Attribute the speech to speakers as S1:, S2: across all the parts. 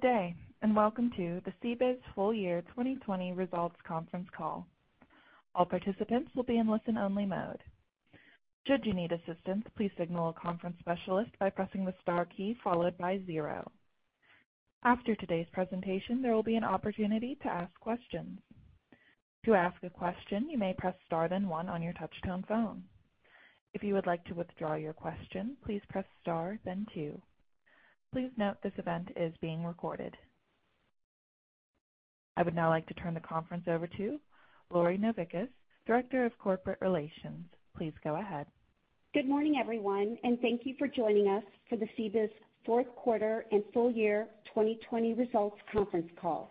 S1: Good day. Welcome to the CBIZ full year 2020 results conference call. All participants will be in listen-only mode. Should you need assistance, please signal a conference specialist by pressing the star key followed by zero. After today's presentation, there will be an opportunity to ask questions. To ask a question, you may press star then one on your touch-tone phone. If you would like to withdraw your question, please press star, then two. Please note this event is being recorded. I would now like to turn the conference over to Lori Novickis, Director of Corporate Relations. Please go ahead.
S2: Good morning, everyone. Thank you for joining us for the CBIZ fourth quarter and full year 2020 results conference call.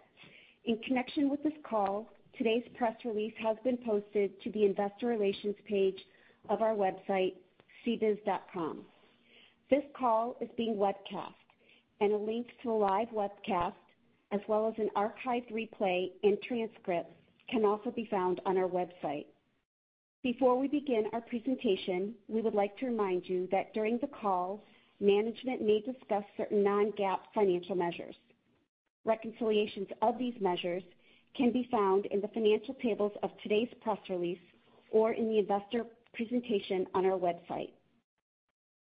S2: In connection with this call, today's press release has been posted to the investor relations page of our website, cbiz.com. This call is being webcast. A link to a live webcast, as well as an archived replay and transcript, can also be found on our website. Before we begin our presentation, we would like to remind you that during the call, management may discuss certain non-GAAP financial measures. Reconciliations of these measures can be found in the financial tables of today's press release or in the investor presentation on our website.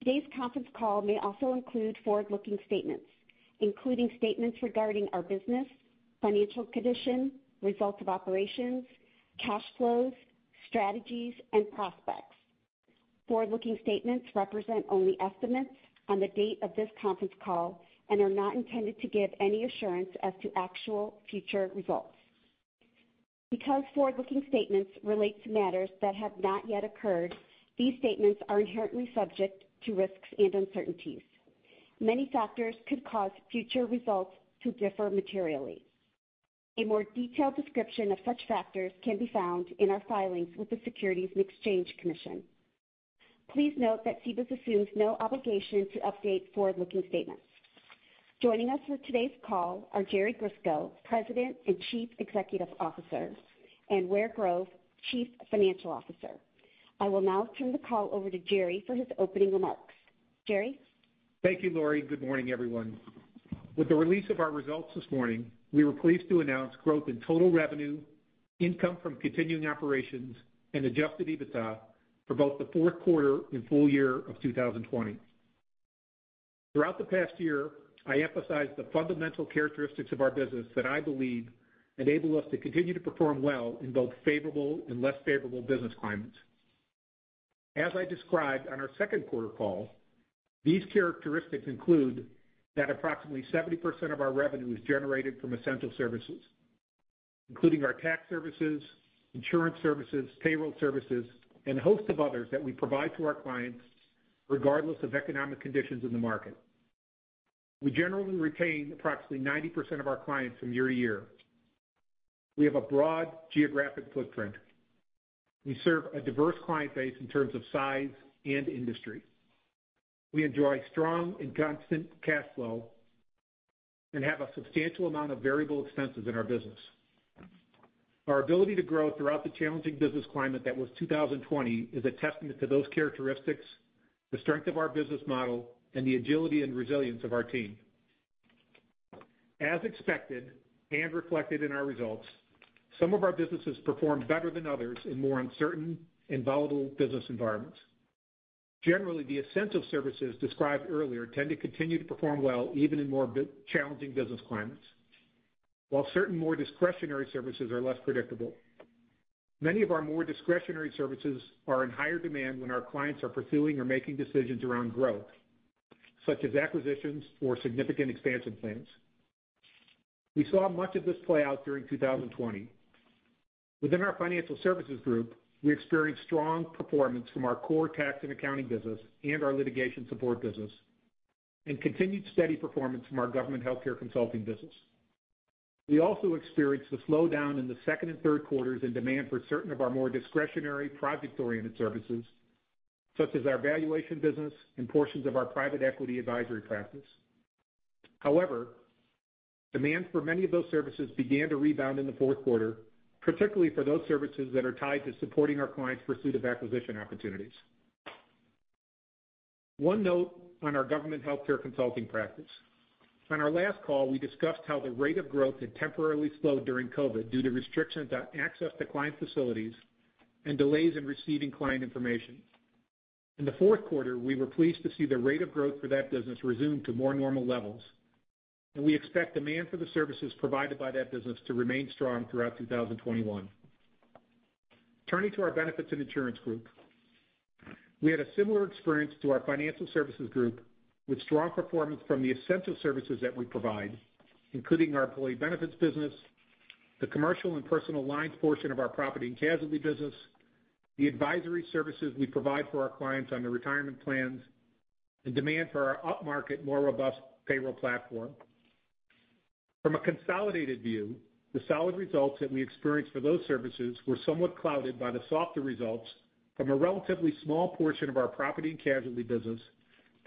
S2: Today's conference call may also include forward-looking statements, including statements regarding our business, financial condition, results of operations, cash flows, strategies, and prospects. Forward-looking statements represent only estimates on the date of this conference call and are not intended to give any assurance as to actual future results. Because forward-looking statements relate to matters that have not yet occurred, these statements are inherently subject to risks and uncertainties. Many factors could cause future results to differ materially. A more detailed description of such factors can be found in our filings with the Securities and Exchange Commission. Please note that CBIZ assumes no obligation to update forward-looking statements. Joining us for today's call are Jerry Grisko, President and Chief Executive Officer, and Ware Grove, Chief Financial Officer. I will now turn the call over to Jerry for his opening remarks. Jerry?
S3: Thank you, Lori. Good morning, everyone. With the release of our results this morning, we were pleased to announce growth in total revenue, income from continuing operations, and Adjusted EBITDA for both the fourth quarter and full year of 2020. Throughout the past year, I emphasized the fundamental characteristics of our business that I believe enable us to continue to perform well in both favorable and less favorable business climates. As I described on our second quarter call, these characteristics include that approximately 70% of our revenue is generated from essential services, including our tax services, insurance services, payroll services, and a host of others that we provide to our clients, regardless of economic conditions in the market. We generally retain approximately 90% of our clients from year to year. We have a broad geographic footprint. We serve a diverse client base in terms of size and industry. We enjoy strong and constant cash flow and have a substantial amount of variable expenses in our business. Our ability to grow throughout the challenging business climate that was 2020 is a testament to those characteristics, the strength of our business model, and the agility and resilience of our team. As expected and reflected in our results, some of our businesses performed better than others in more uncertain and volatile business environments. Generally, the essential services described earlier tend to continue to perform well even in more challenging business climates. While certain more discretionary services are less predictable. Many of our more discretionary services are in higher demand when our clients are pursuing or making decisions around growth, such as acquisitions or significant expansion plans. We saw much of this play out during 2020. Within our financial services group, we experienced strong performance from our core tax and accounting business and our litigation support business, and continued steady performance from our government healthcare consulting business. We also experienced a slowdown in the second and third quarters in demand for certain of our more discretionary, project-oriented services, such as our valuation business and portions of our private equity advisory practice. However, demand for many of those services began to rebound in the fourth quarter, particularly for those services that are tied to supporting our clients' pursuit of acquisition opportunities. One note on our government healthcare consulting practice. On our last call, we discussed how the rate of growth had temporarily slowed during COVID due to restrictions on access to client facilities and delays in receiving client information. In the fourth quarter, we were pleased to see the rate of growth for that business resume to more normal levels, and we expect demand for the services provided by that business to remain strong throughout 2021. Turning to our benefits and insurance group, we had a similar experience to our financial services group, with strong performance from the essential services that we provide, including our employee benefits business, the commercial and personal lines portion of our property and casualty business, the advisory services we provide for our clients on their retirement plans, and demand for our upmarket, more robust payroll platform. From a consolidated view, the solid results that we experienced for those services were somewhat clouded by the softer results from a relatively small portion of our property and casualty business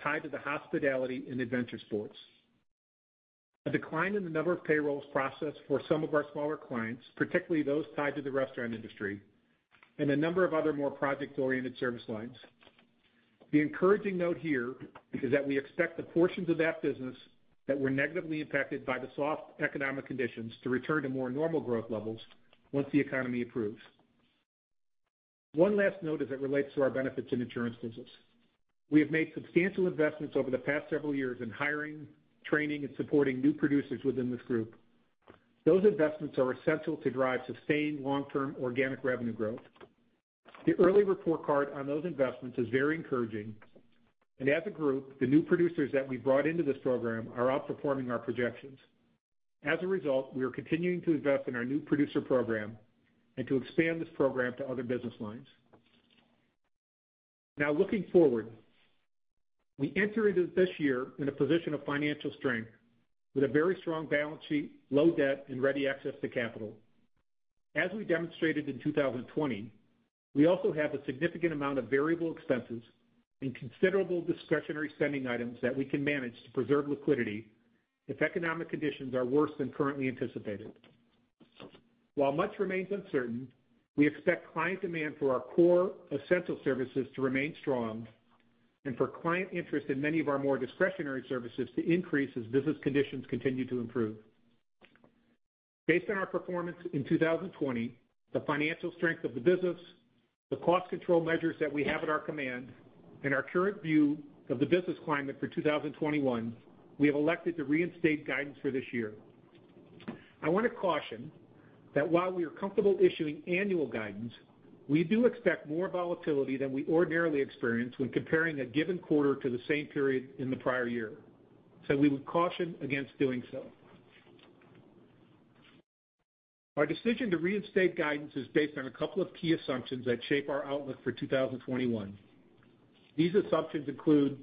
S3: tied to the hospitality and adventure sports. A decline in the number of payrolls processed for some of our smaller clients, particularly those tied to the restaurant industry, and a number of other more project-oriented service lines. The encouraging note here is that we expect the portions of that business that were negatively impacted by the soft economic conditions to return to more normal growth levels once the economy improves. One last note as it relates to our benefits and insurance business. We have made substantial investments over the past several years in hiring, training, and supporting new producers within this group. Those investments are essential to drive sustained long-term organic revenue growth. The early report card on those investments is very encouraging, and as a group, the new producers that we brought into this program are outperforming our projections. As a result, we are continuing to invest in our new producer program and to expand this program to other business lines. Looking forward, we enter into this year in a position of financial strength with a very strong balance sheet, low debt, and ready access to capital. As we demonstrated in 2020, we also have a significant amount of variable expenses and considerable discretionary spending items that we can manage to preserve liquidity if economic conditions are worse than currently anticipated. While much remains uncertain, we expect client demand for our core essential services to remain strong and for client interest in many of our more discretionary services to increase as business conditions continue to improve. Based on our performance in 2020, the financial strength of the business, the cost control measures that we have at our command, and our current view of the business climate for 2021, we have elected to reinstate guidance for this year. I want to caution that while we are comfortable issuing annual guidance, we do expect more volatility than we ordinarily experience when comparing a given quarter to the same period in the prior year, so we would caution against doing so. Our decision to reinstate guidance is based on a couple of key assumptions that shape our outlook for 2021. These assumptions include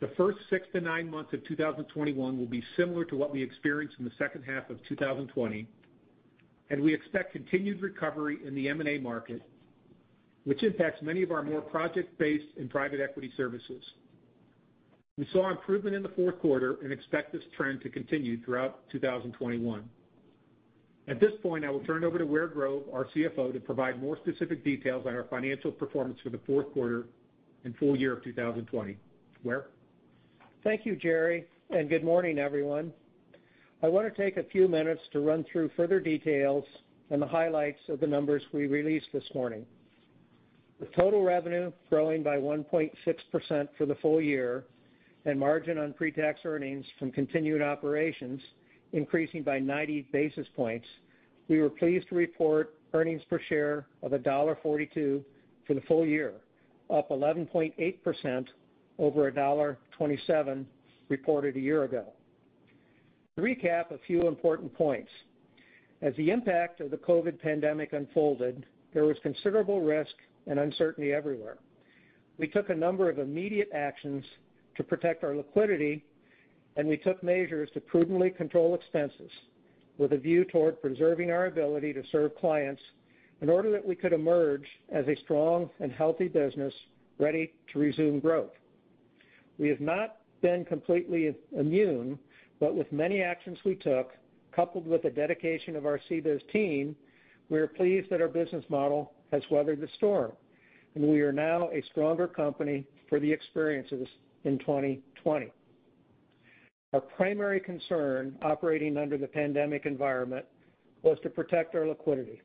S3: the first six to nine months of 2021 will be similar to what we experienced in the second half of 2020, and we expect continued recovery in the M&A market, which impacts many of our more project-based and private equity services. We saw improvement in the fourth quarter and expect this trend to continue throughout 2021. At this point, I will turn it over to Ware Grove, our CFO, to provide more specific details on our financial performance for the fourth quarter and full year of 2020. Ware?
S4: Thank you, Jerry, and good morning, everyone. I want to take a few minutes to run through further details and the highlights of the numbers we released this morning. With total revenue growing by 1.6% for the full year and margin on pre-tax earnings from continued operations increasing by 90 basis points, we were pleased to report earnings per share of $1.42 for the full year, up 11.8% over $1.27 reported a year ago. To recap a few important points, as the impact of the COVID pandemic unfolded, there was considerable risk and uncertainty everywhere. We took a number of immediate actions to protect our liquidity, and we took measures to prudently control expenses with a view toward preserving our ability to serve clients in order that we could emerge as a strong and healthy business ready to resume growth. We have not been completely immune, but with many actions we took, coupled with the dedication of our CBIZ team, we are pleased that our business model has weathered the storm, and we are now a stronger company for the experiences in 2020. Our primary concern operating under the pandemic environment was to protect our liquidity.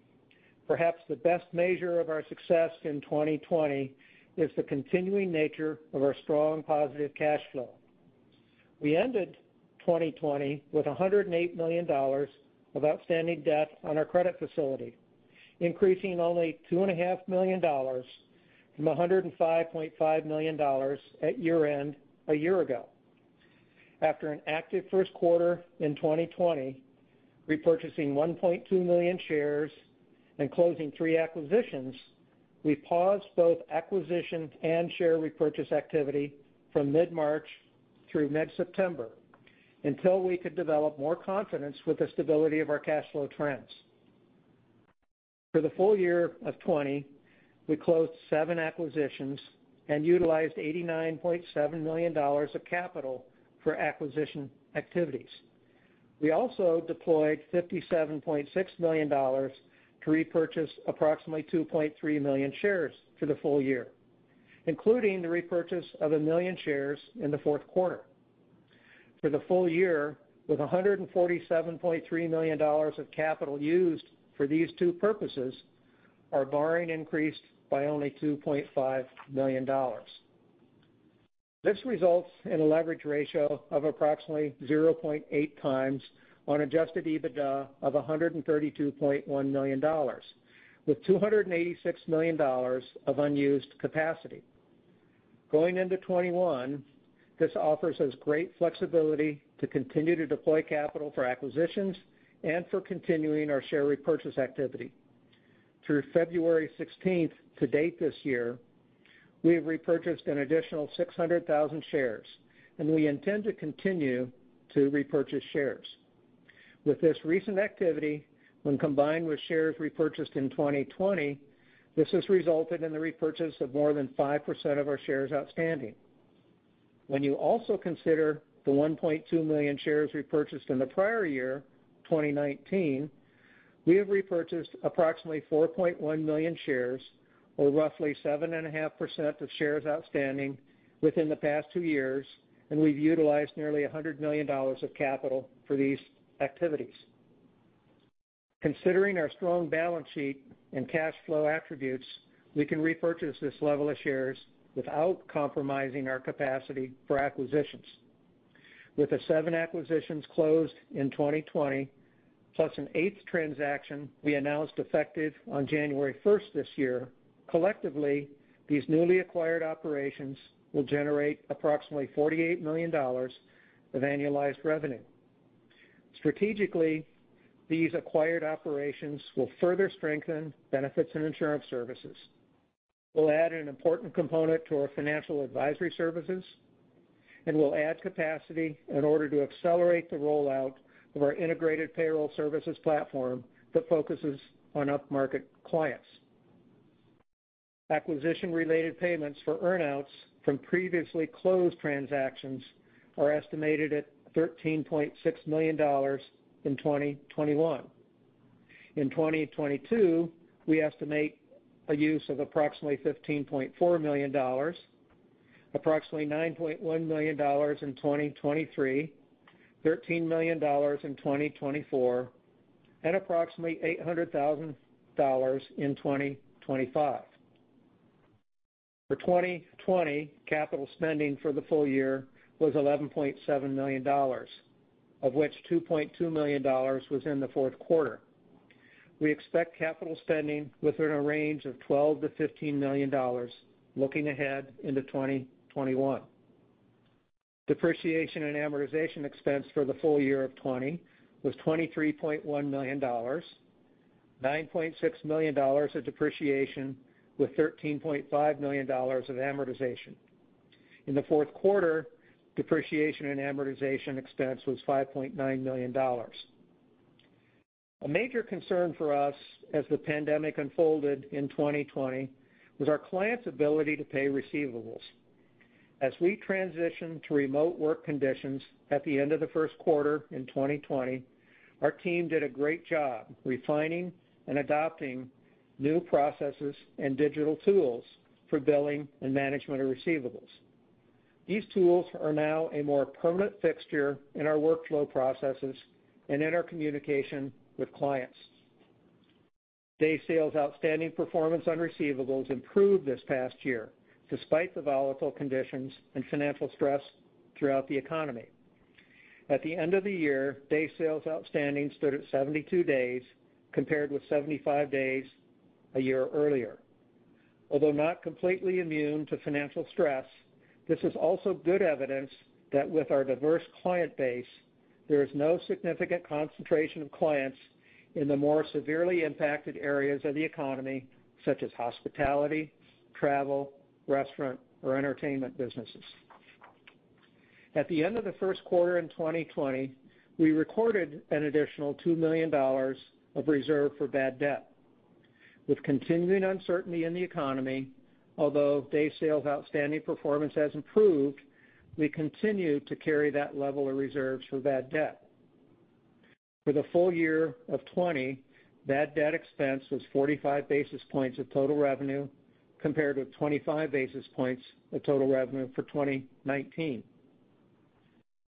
S4: Perhaps the best measure of our success in 2020 is the continuing nature of our strong positive cash flow. We ended 2020 with $108 million of outstanding debt on our credit facility, increasing only $2.5 million from $105.5 million at year-end a year ago. After an active first quarter in 2020, repurchasing 1.2 million shares and closing three acquisitions, we paused both acquisition and share repurchase activity from mid-March through mid-September until we could develop more confidence with the stability of our cash flow trends. For the full year of 2020, we closed seven acquisitions and utilized $89.7 million of capital for acquisition activities. We also deployed $57.6 million to repurchase approximately 2.3 million shares for the full year, including the repurchase of 1 million shares in the fourth quarter. For the full year, with $147.3 million of capital used for these two purposes, our borrowing increased by only $2.5 million. This results in a leverage ratio of approximately 0.8 times on Adjusted EBITDA of $132.1 million with $286 million of unused capacity. Going into 2021, this offers us great flexibility to continue to deploy capital for acquisitions and for continuing our share repurchase activity. Through February 16th to date this year, we have repurchased an additional 600,000 shares, and we intend to continue to repurchase shares. With this recent activity, when combined with shares repurchased in 2020, this has resulted in the repurchase of more than 5% of our shares outstanding. When you also consider the 1.2 million shares repurchased in the prior year, 2019, we have repurchased approximately 4.1 million shares or roughly 7.5% of shares outstanding within the past two years, and we've utilized nearly $100 million of capital for these activities. Considering our strong balance sheet and cash flow attributes, we can repurchase this level of shares without compromising our capacity for acquisitions. With the seven acquisitions closed in 2020, plus an eighth transaction we announced effective on January 1st this year, collectively, these newly acquired operations will generate approximately $48 million of annualized revenue. Strategically, these acquired operations will further strengthen benefits and insurance services, will add an important component to our financial advisory services, and will add capacity in order to accelerate the rollout of our integrated payroll services platform that focuses on upmarket clients. Acquisition-related payments for earn-outs from previously closed transactions are estimated at $13.6 million in 2021. In 2022, we estimate a use of approximately $15.4 million, approximately $9.1 million in 2023, $13 million in 2024, and approximately $800,000 in 2025. For 2020, capital spending for the full year was $11.7 million, of which $2.2 million was in the fourth quarter. We expect capital spending within a range of $12 million-$15 million looking ahead into 2021. Depreciation and amortization expense for the full year of 2020 was $23.1 million, $9.6 million of depreciation with $13.5 million of amortization. In the fourth quarter, depreciation and amortization expense was $5.9 million. A major concern for us as the pandemic unfolded in 2020 was our clients' ability to pay receivables. As we transitioned to remote work conditions at the end of the first quarter in 2020, our team did a great job refining and adopting new processes and digital tools for billing and management of receivables. These tools are now a more permanent fixture in our workflow processes and in our communication with clients. Days Sales Outstanding performance on receivables improved this past year, despite the volatile conditions and financial stress throughout the economy. At the end of the year, Days Sales Outstanding stood at 72 days, compared with 75 days a year earlier. Although not completely immune to financial stress, this is also good evidence that with our diverse client base, there is no significant concentration of clients in the more severely impacted areas of the economy, such as hospitality, travel, restaurant, or entertainment businesses. At the end of the first quarter in 2020, we recorded an additional $2 million of reserve for bad debt. With continuing uncertainty in the economy, although Days Sales Outstanding performance has improved, we continue to carry that level of reserves for bad debt. For the full year of 2020, bad debt expense was 45 basis points of total revenue, compared with 25 basis points of total revenue for 2019.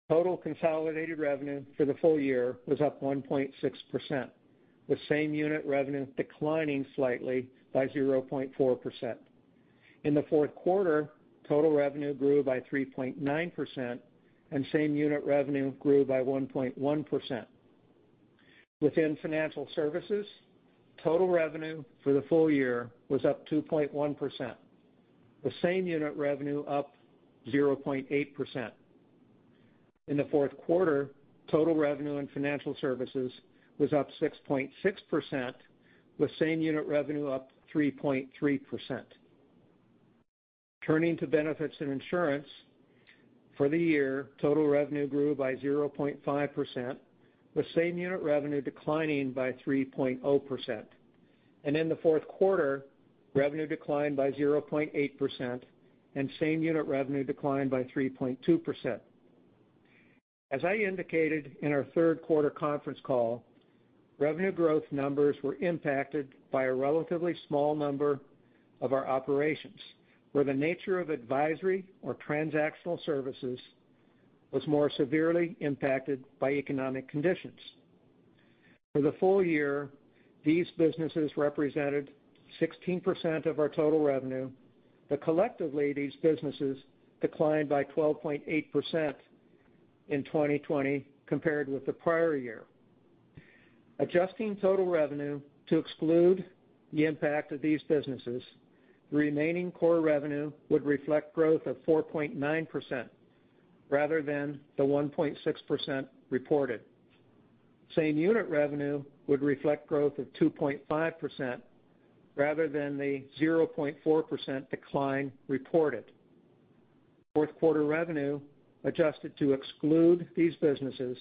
S4: Total consolidated revenue for the full year was up 1.6%, with same-unit revenue declining slightly by 0.4%. In the fourth quarter, total revenue grew by 3.9%, and same-unit revenue grew by 1.1%. Within financial services, total revenue for the full year was up 2.1%, with same-unit revenue up 0.8%. In the fourth quarter, total revenue in financial services was up 6.6%, with same-unit revenue up 3.3%. Turning to benefits and insurance, for the year, total revenue grew by 0.5%, with same-unit revenue declining by 3.0%. In the fourth quarter, revenue declined by 0.8%, and same-unit revenue declined by 3.2%. As I indicated in our third quarter conference call, revenue growth numbers were impacted by a relatively small number of our operations, where the nature of advisory or transactional services was more severely impacted by economic conditions. For the full year, these businesses represented 16% of our total revenue, but collectively, these businesses declined by 12.8% in 2020 compared with the prior year. Adjusting total revenue to exclude the impact of these businesses, remaining core revenue would reflect growth of 4.9% rather than the 1.6% reported. Same-unit revenue would reflect growth of 2.5% rather than the 0.4% decline reported. Fourth quarter revenue, adjusted to exclude these businesses,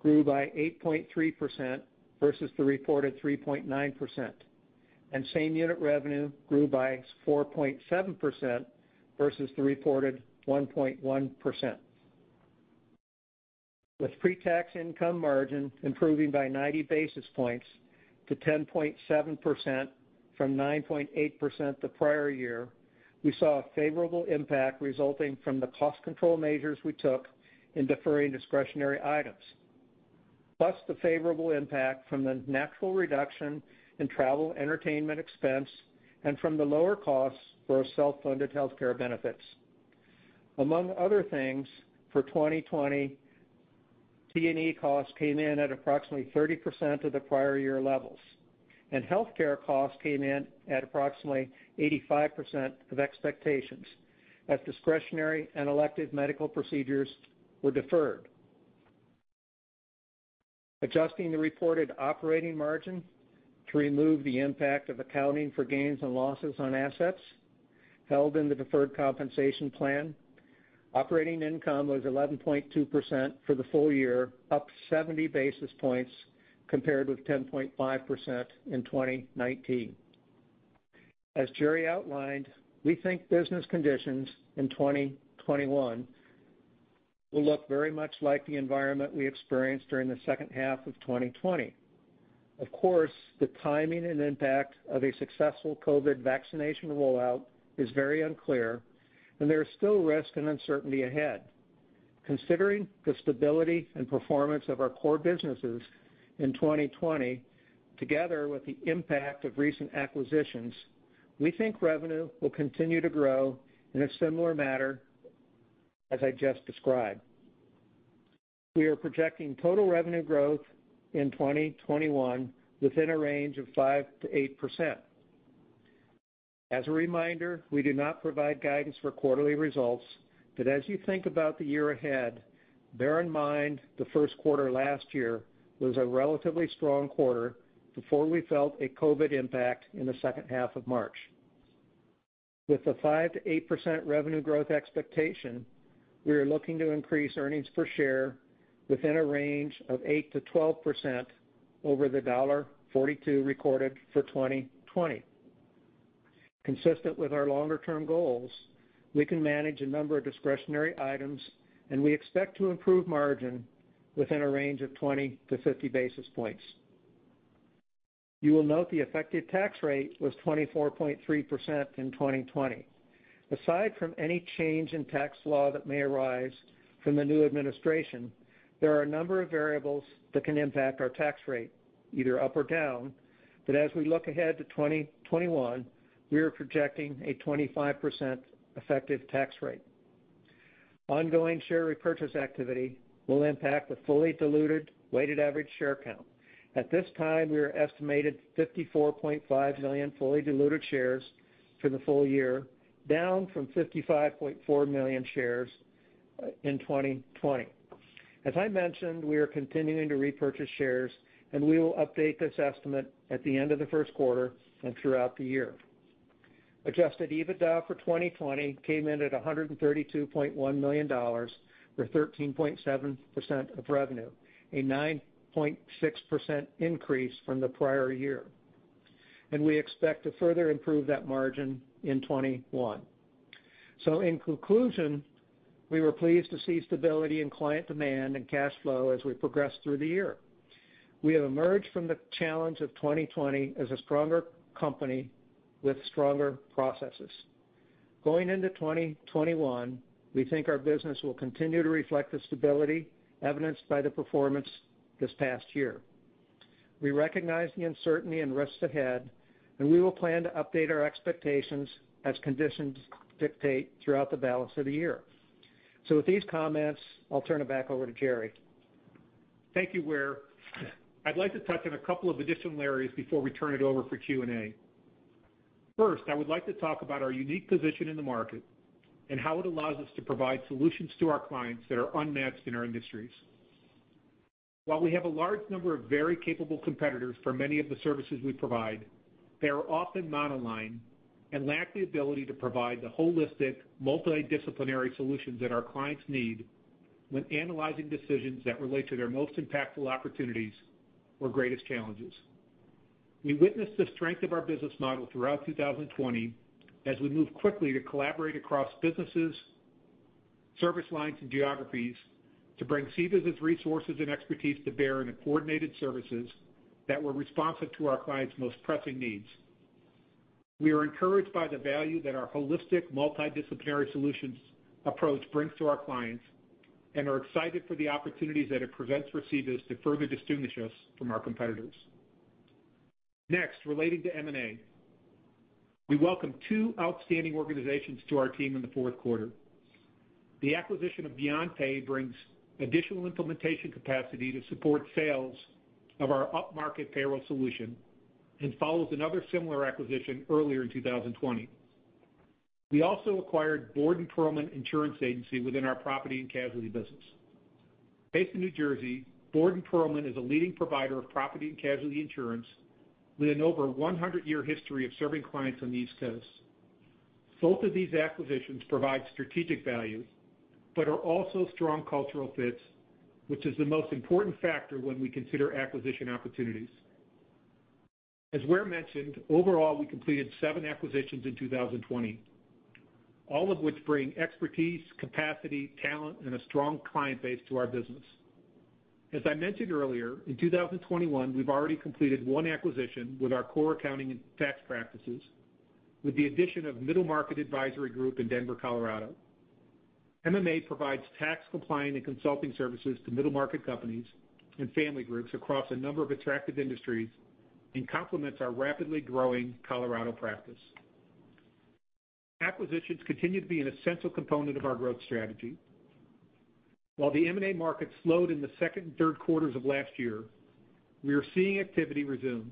S4: grew by 8.3% versus the reported 3.9%. Same-unit revenue grew by 4.7% versus the reported 1.1%. With pre-tax income margin improving by 90 basis points to 10.7% from 9.8% the prior year, we saw a favorable impact resulting from the cost control measures we took in deferring discretionary items. Plus the favorable impact from the natural reduction in travel entertainment expense and from the lower costs for our self-funded healthcare benefits. Among other things, for 2020, T&E costs came in at approximately 30% of the prior year levels, and healthcare costs came in at approximately 85% of expectations, as discretionary and elective medical procedures were deferred. Adjusting the reported operating margin to remove the impact of accounting for gains and losses on assets held in the deferred compensation plan. Operating income was 11.2% for the full year, up 70 basis points compared with 10.5% in 2019. As Jerry outlined, we think business conditions in 2021 will look very much like the environment we experienced during the second half of 2020. Of course, the timing and impact of a successful COVID vaccination rollout is very unclear, and there is still risk and uncertainty ahead. Considering the stability and performance of our core businesses in 2020, together with the impact of recent acquisitions, we think revenue will continue to grow in a similar manner as I just described. We are projecting total revenue growth in 2021 within a range of 5%-8%. As a reminder, we do not provide guidance for quarterly results, but as you think about the year ahead, bear in mind the first quarter last year was a relatively strong quarter before we felt a COVID impact in the second half of March. With the 5%-8% revenue growth expectation, we are looking to increase Earnings Per Share within a range of 8%-12% over the $1.42 recorded for 2020. Consistent with our longer-term goals, we can manage a number of discretionary items, and we expect to improve margin within a range of 20-50 basis points. You will note the effective tax rate was 24.3% in 2020. Aside from any change in tax law that may arise from the new administration, there are a number of variables that can impact our tax rate, either up or down, but as we look ahead to 2021, we are projecting a 25% effective tax rate. Ongoing share repurchase activity will impact the fully diluted weighted average share count. At this time, we are estimated 54.5 million fully diluted shares for the full year, down from 55.4 million shares in 2020. As I mentioned, we are continuing to repurchase shares, and we will update this estimate at the end of the first quarter and throughout the year. Adjusted EBITDA for 2020 came in at $132.1 million, or 13.7% of revenue, a 9.6% increase from the prior year. We expect to further improve that margin in 2021. In conclusion, we were pleased to see stability in client demand and cash flow as we progressed through the year. We have emerged from the challenge of 2020 as a stronger company with stronger processes. Going into 2021, we think our business will continue to reflect the stability evidenced by the performance this past year. We recognize the uncertainty and risks ahead, and we will plan to update our expectations as conditions dictate throughout the balance of the year. With these comments, I'll turn it back over to Jerry.
S3: Thank you, Ware. I'd like to touch on a couple of additional areas before we turn it over for Q&A. First, I would like to talk about our unique position in the market and how it allows us to provide solutions to our clients that are unmatched in our industries. While we have a large number of very capable competitors for many of the services we provide, they are often monoline and lack the ability to provide the holistic, multidisciplinary solutions that our clients need when analyzing decisions that relate to their most impactful opportunities or greatest challenges. We witnessed the strength of our business model throughout 2020 as we moved quickly to collaborate across businesses, service lines, and geographies to bring CBIZ's resources and expertise to bear in the coordinated services that were responsive to our clients' most pressing needs. We are encouraged by the value that our holistic, multidisciplinary solutions approach brings to our clients and are excited for the opportunities that it presents for CBIZ to further distinguish us from our competitors. Next, relating to M&A, we welcome two outstanding organizations to our team in the fourth quarter. The acquisition of Paychex brings additional implementation capacity to support sales of our upmarket payroll solution and follows another similar acquisition earlier in 2020. We also acquired Borden Perlman Insurance Agency within our property and casualty business. Based in New Jersey, Borden Perlman is a leading provider of property and casualty insurance with an over 100-year history of serving clients on the East Coast. Both of these acquisitions provide strategic value but are also strong cultural fits, which is the most important factor when we consider acquisition opportunities. As Ware mentioned, overall, we completed seven acquisitions in 2020, all of which bring expertise, capacity, talent, and a strong client base to our business. As I mentioned earlier, in 2021, we've already completed one acquisition with our core accounting and tax practices with the addition of Middle Market Advisory Group in Denver, Colorado. MMA provides tax compliance and consulting services to middle-market companies and family groups across a number of attractive industries and complements our rapidly growing Colorado practice. Acquisitions continue to be an essential component of our growth strategy. While the M&A market slowed in the second and third quarters of last year, we are seeing activity resume.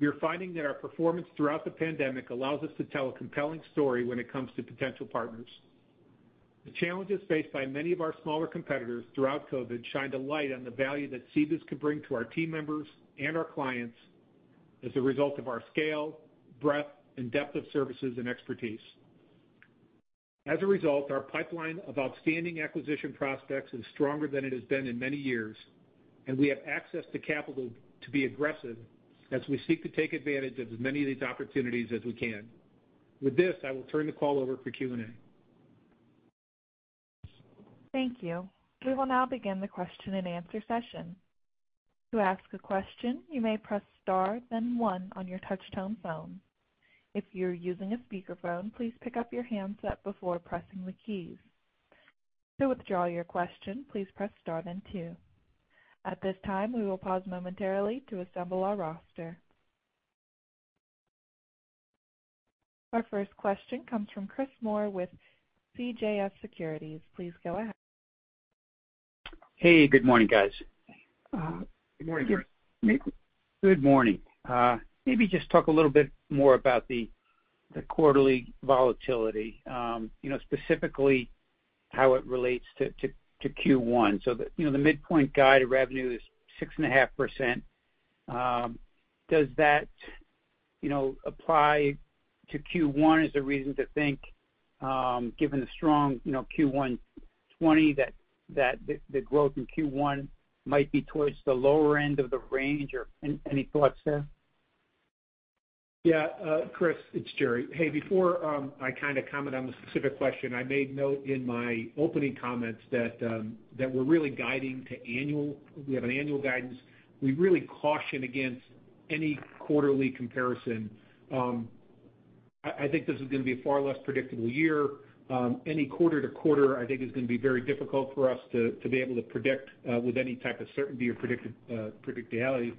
S3: We are finding that our performance throughout the pandemic allows us to tell a compelling story when it comes to potential partners. The challenges faced by many of our smaller competitors throughout COVID shined a light on the value that CBIZ could bring to our team members and our clients as a result of our scale, breadth, and depth of services and expertise. Our pipeline of outstanding acquisition prospects is stronger than it has been in many years, and we have access to capital to be aggressive as we seek to take advantage of as many of these opportunities as we can. I will turn the call over for Q&A.
S1: Thank you. We will now begin the question-and-answer session. To ask a question, you may press star then one on your touch-tone phone. If you're using a speakerphone, please pick up your handset before pressing the keys. To withdraw your question, please press star then two. At this time, we will pause momentarily to assemble our roster. Our first question comes from Chris Moore with CJS Securities. Please go ahead.
S5: Hey, good morning, guys.
S3: Good morning.
S5: Good morning. Maybe just talk a little bit more about the quarterly volatility. Specifically, how it relates to Q1. The midpoint guide of revenue is 6.5%. Does that apply to Q1 as a reason to think, given the strong Q1 2020, that the growth in Q1 might be towards the lower end of the range? Or any thoughts there?
S3: Yeah. Chris, it's Jerry. Hey, before I comment on the specific question, I made note in my opening comments that we're really guiding to annual. We have an annual guidance. We really caution against any quarterly comparison. I think this is going to be a far less predictable year. Any quarter-to-quarter, I think, is going to be very difficult for us to be able to predict with any type of certainty or predictability.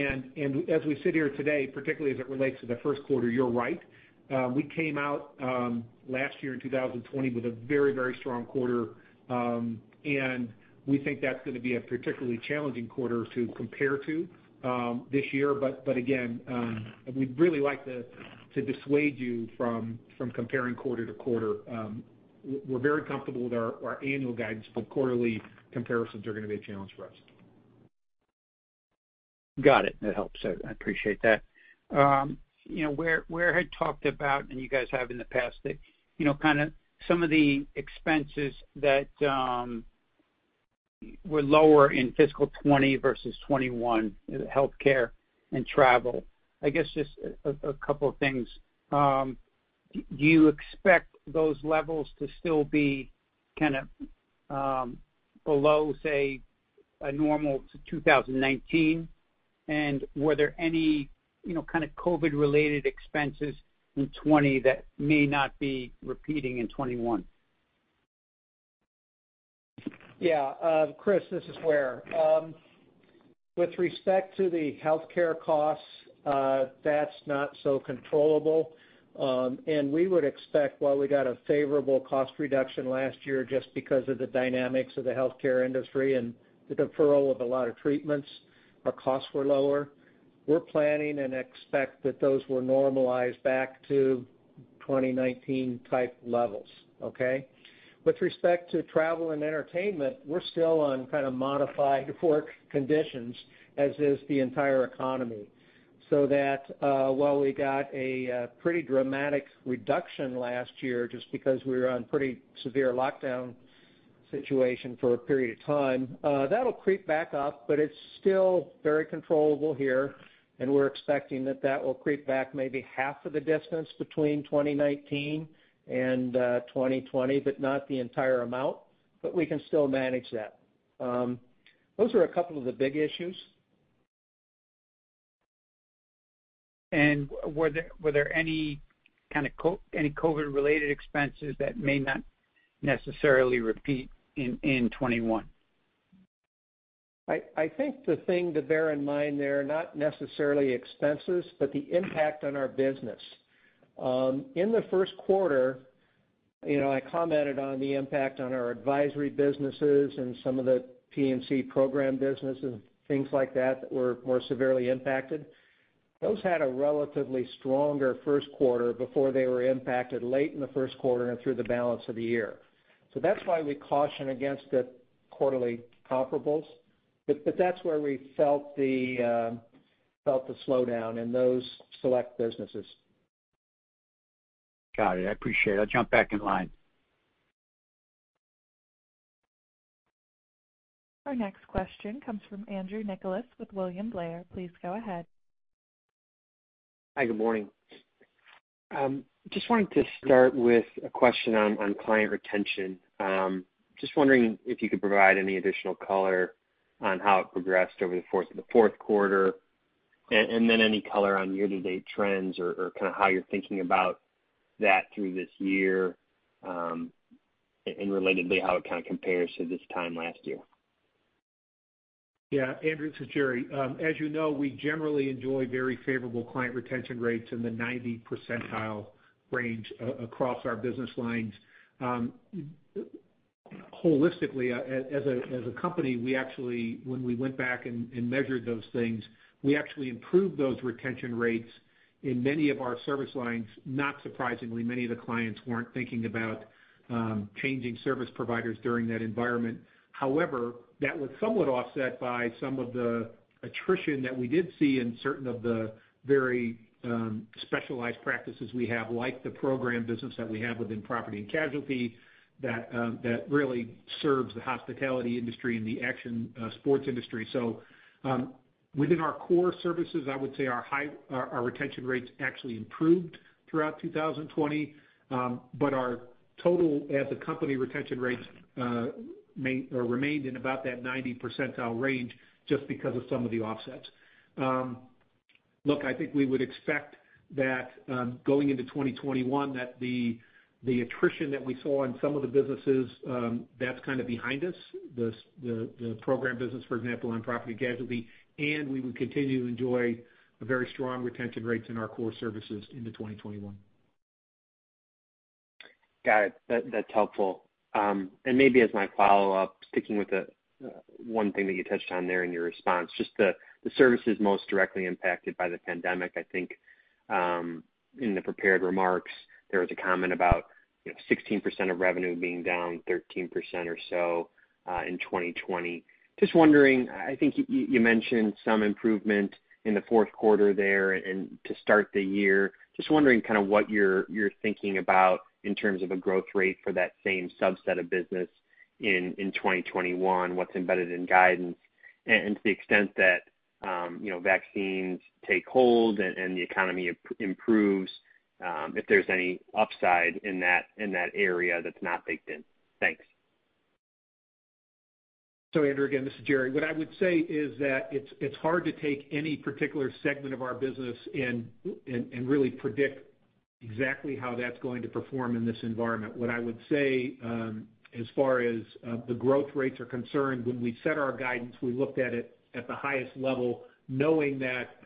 S3: As we sit here today, particularly as it relates to the first quarter, you're right. We came out last year in 2020 with a very strong quarter. We think that's going to be a particularly challenging quarter to compare to this year. Again, we'd really like to dissuade you from comparing quarter-to-quarter. We're very comfortable with our annual guidance, but quarterly comparisons are going to be a challenge for us.
S5: Got it. That helps. I appreciate that. Ware had talked about, and you guys have in the past, some of the expenses that were lower in fiscal 2020 versus 2021, healthcare and travel. I guess just a couple of things. Do you expect those levels to still be below, say, a normal 2019? Were there any kind of COVID-related expenses in 2020 that may not be repeating in 2021?
S4: Yeah. Chris, this is Ware. With respect to the healthcare costs, that's not so controllable. We would expect while we got a favorable cost reduction last year just because of the dynamics of the healthcare industry and the deferral of a lot of treatments, our costs were lower. We're planning and expect that those will normalize back to 2019 type levels. Okay? With respect to travel and entertainment, we're still on kind of modified work conditions, as is the entire economy. That while we got a pretty dramatic reduction last year, just because we were on pretty severe lockdown situation for a period of time, that'll creep back up, but it's still very controllable here, and we're expecting that that will creep back maybe half of the distance between 2019 and 2020, but not the entire amount. We can still manage that. Those are a couple of the big issues.
S5: Were there any COVID-related expenses that may not necessarily repeat in 2021?
S4: I think the thing to bear in mind there, not necessarily expenses, but the impact on our business. In the first quarter, I commented on the impact on our advisory businesses and some of the P&C program businesses, things like that were more severely impacted. Those had a relatively stronger first quarter before they were impacted late in the first quarter and through the balance of the year. That's why we caution against the quarterly comparables. That's where we felt the slowdown in those select businesses.
S5: Got it. I appreciate it. I'll jump back in line.
S1: Our next question comes from Andrew Nicholas with William Blair. Please go ahead.
S6: Hi. Good morning. Just wanted to start with a question on client retention. Just wondering if you could provide any additional color on how it progressed over the course of the fourth quarter, and then any color on year-to-date trends or kind of how you're thinking about that through this year, and relatedly, how it kind of compares to this time last year.
S3: Yeah, Andrew, this is Jerry. As you know, we generally enjoy very favorable client retention rates in the 90 percentile range across our business lines. Holistically, as a company, when we went back and measured those things, we actually improved those retention rates in many of our service lines. Not surprisingly, many of the clients weren't thinking about changing service providers during that environment. That was somewhat offset by some of the attrition that we did see in certain of the very specialized practices we have, like the program business that we have within property and casualty that really serves the hospitality industry and the action sports industry. Within our core services, I would say our retention rates actually improved throughout 2020. Our total as a company retention rates remained in about that 90 percentile range just because of some of the offsets. Look, I think we would expect that going into 2021, that the attrition that we saw in some of the businesses, that's kind of behind us, the program business, for example, on property and casualty, and we would continue to enjoy very strong retention rates in our core services into 2021.
S6: Got it. That's helpful. Maybe as my follow-up, sticking with the one thing that you touched on there in your response, just the services most directly impacted by the pandemic. I think, in the prepared remarks, there was a comment about 16% of revenue being down 13% or so in 2020. Just wondering, I think you mentioned some improvement in the fourth quarter there and to start the year, just wondering kind of what you're thinking about in terms of a growth rate for that same subset of business in 2021, what's embedded in guidance, and to the extent that vaccines take hold and the economy improves, if there's any upside in that area that's not baked in. Thanks.
S3: Andrew, again, this is Jerry. What I would say is that it is hard to take any particular segment of our business and really predict exactly how that is going to perform in this environment. What I would say, as far as the growth rates are concerned, when we set our guidance, we looked at it at the highest level, knowing that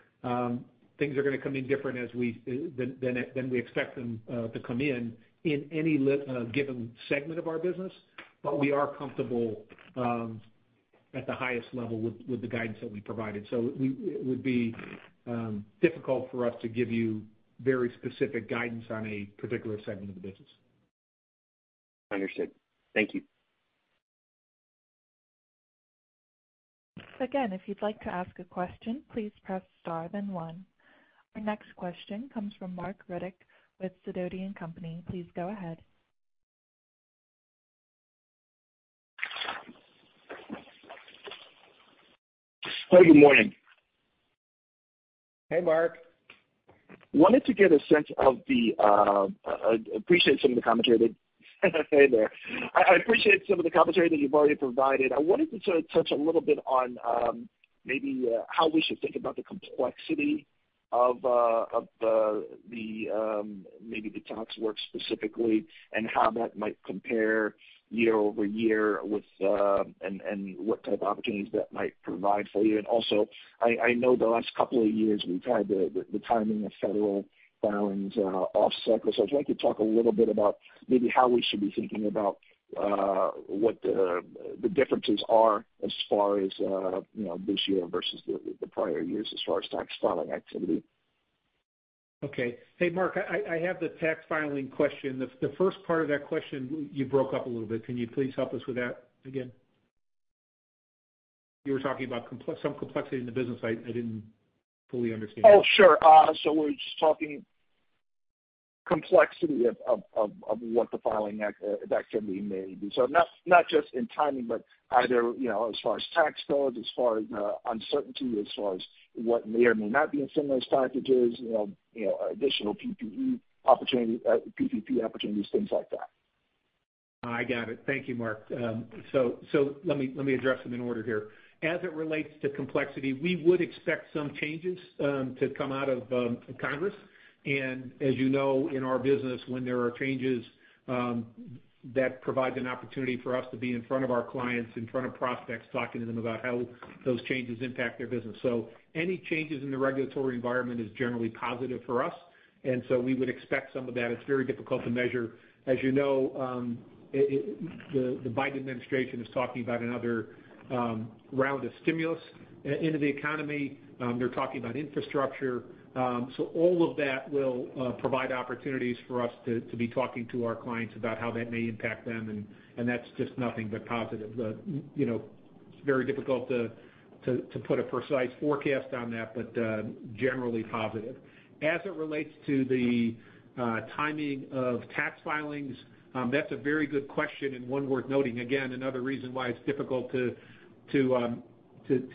S3: things are going to come in different than we expect them to come in in any given segment of our business. We are comfortable at the highest level with the guidance that we provided. It would be difficult for us to give you very specific guidance on a particular segment of the business.
S6: Understood. Thank you.
S1: Our next question comes from Marc Riddick with Sidoti & Company. Please go ahead.
S7: Hey, good morning.
S3: Hey, Marc.
S7: I appreciate some of the commentary that you've already provided. I wanted to touch a little bit on maybe how we should think about the complexity of maybe the tax work specifically and how that might compare year-over-year and what type of opportunities that might provide for you. Also, I know the last couple of years, we've had the timing of federal filings off cycle. I'd like to talk a little bit about maybe how we should be thinking about what the differences are as far as this year versus the prior years as far as tax filing activity.
S3: Okay. Hey, Marc, I have the tax filing question. The first part of that question, you broke up a little bit. Can you please help us with that again? You were talking about some complexity in the business. I didn't fully understand that.
S7: Oh, sure. We're just talking complexity of what the filing activity may be. Not just in timing, but either as far as tax codes, as far as uncertainty, as far as what may or may not be in some of those packages, additional PPP opportunities, things like that.
S3: I got it. Thank you, Marc. Let me address them in order here. As it relates to complexity, we would expect some changes to come out of Congress. As you know, in our business, when there are changes, that provides an opportunity for us to be in front of our clients, in front of prospects, talking to them about how those changes impact their business. Any changes in the regulatory environment is generally positive for us, we would expect some of that. It's very difficult to measure. As you know, the Biden administration is talking about another round of stimulus into the economy. They're talking about infrastructure. All of that will provide opportunities for us to be talking to our clients about how that may impact them, and that's just nothing but positive. It's very difficult to put a precise forecast on that, but generally positive. As it relates to the timing of tax filings, that's a very good question and one worth noting. Again, another reason why it's difficult to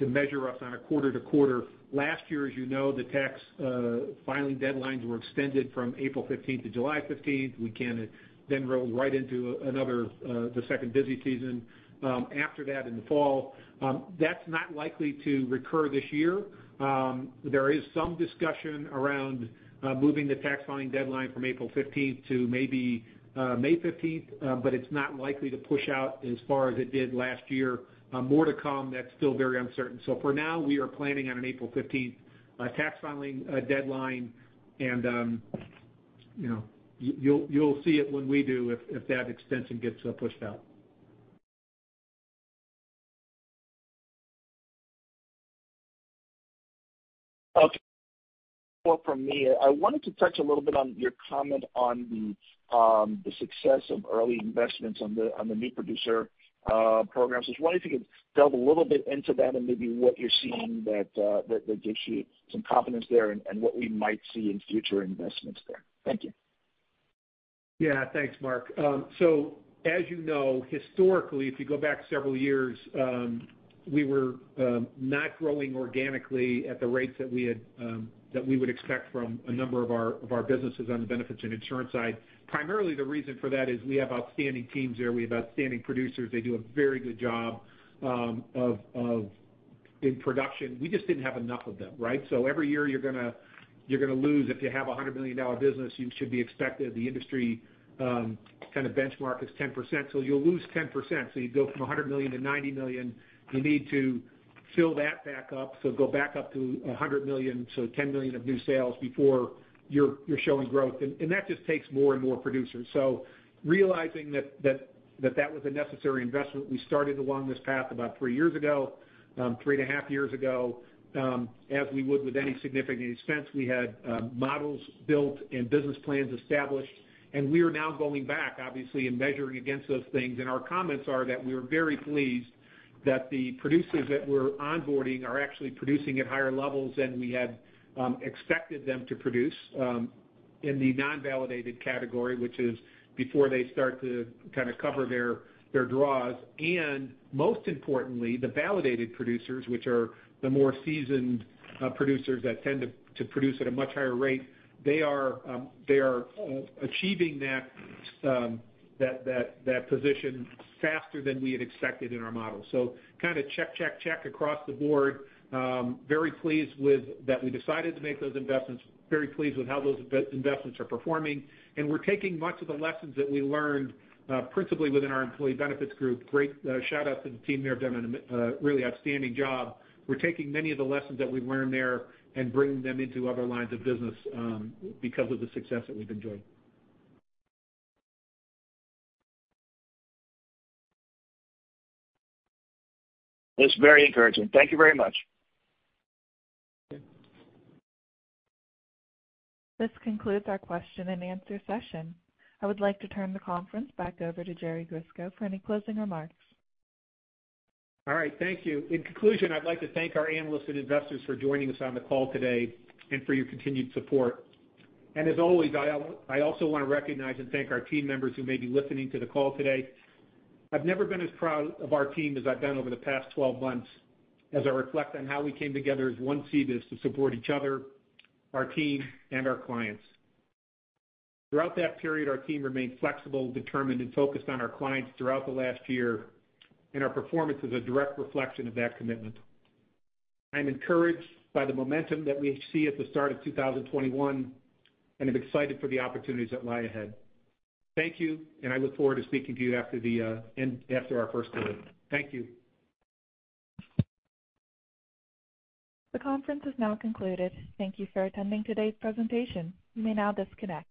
S3: measure us on a quarter to quarter. Last year, as you know, the tax filing deadlines were extended from April 15th to July 15th. We kind of then rolled right into the second busy season after that in the fall. That's not likely to recur this year. There is some discussion around moving the tax filing deadline from April 15th to maybe May 15th, but it's not likely to push out as far as it did last year. More to come, that's still very uncertain. For now, we are planning on an April 15th tax filing deadline and you'll see it when we do if that extension gets pushed out.
S7: Okay. More from me. I wanted to touch a little bit on your comment on the success of early investments on the new producer programs. I was wondering if you could delve a little bit into that and maybe what you're seeing that gives you some confidence there and what we might see in future investments there. Thank you.
S3: Yeah. Thanks, Marc. As you know, historically, if you go back several years, we were not growing organically at the rates that we would expect from a number of our businesses on the benefits and insurance side. Primarily, the reason for that is we have outstanding teams there. We have outstanding producers. They do a very good job in production. We just didn't have enough of them, right? Every year you're going to lose, if you have a $100 million business, you should be expected, the industry kind of benchmark is 10%, you'll lose 10%. You go from $100 million-$90 million, you need to fill that back up. Go back up to $100 million to $10 million of new sales before you're showing growth, and that just takes more and more producers. Realizing that was a necessary investment, we started along this path about three years ago, three and a half years ago. As we would with any significant expense, we had models built and business plans established, and we are now going back, obviously, and measuring against those things. Our comments are that we are very pleased that the producers that we're onboarding are actually producing at higher levels than we had expected them to produce in the non-validated category, which is before they start to kind of cover their draws. Most importantly, the validated producers, which are the more seasoned producers that tend to produce at a much higher rate, they are achieving that position faster than we had expected in our model. Kind of check across the board. Very pleased with that we decided to make those investments, very pleased with how those investments are performing. We're taking much of the lessons that we learned principally within our employee benefits group. Great shout-out to the team there, have done a really outstanding job. We're taking many of the lessons that we learned there and bringing them into other lines of business because of the success that we've enjoyed.
S7: That's very encouraging. Thank you very much.
S3: Okay.
S1: This concludes our question and answer session. I would like to turn the conference back over to Jerry Grisko for any closing remarks.
S3: All right, thank you. In conclusion, I'd like to thank our analysts and investors for joining us on the call today and for your continued support. As always, I also want to recognize and thank our team members who may be listening to the call today. I've never been as proud of our team as I've been over the past 12 months, as I reflect on how we came together as one CBIZ to support each other, our team, and our clients. Throughout that period, our team remained flexible, determined, and focused on our clients throughout the last year, and our performance is a direct reflection of that commitment. I'm encouraged by the momentum that we see at the start of 2021, and I'm excited for the opportunities that lie ahead. Thank you, and I look forward to speaking to you after our first quarter. Thank you.
S1: The conference has now concluded. Thank you for attending today's presentation. You may now disconnect.